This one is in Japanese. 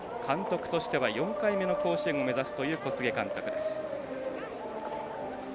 監督としては４回目の甲子園を目指すという小菅勲監督です。